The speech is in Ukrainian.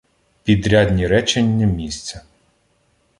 Підрядні речення місця